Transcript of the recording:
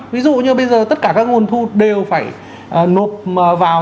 ví dụ như bây giờ tất cả các nguồn thu đều phải nộp vào